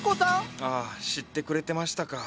ああ知ってくれてましたか。